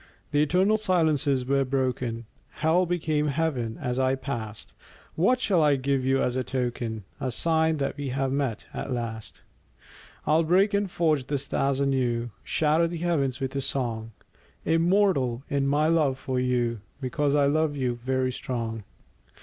The eternal silences were broken; Hell became Heaven as I passed. What shall I give you as a token, A sign that we have met, at last? I'll break and forge the stars anew, Shatter the heavens with a song; Immortal in my love for you, Because I love you, very strong.